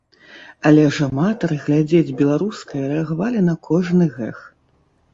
Але ж аматары глядзець беларускае рэагавалі на кожны гэг.